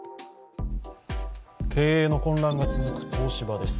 経営の混乱が続く東芝です。